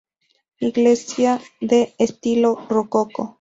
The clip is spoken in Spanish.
Iglesia de estilo rococó.